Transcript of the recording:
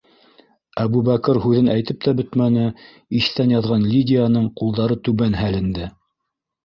- Әбүбәкер һүҙен әйтеп тә бөтмәне, иҫтән яҙған Лидияның ҡулдары түбән һәленде...